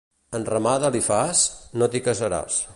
Enramada li fas? No t'hi casaràs.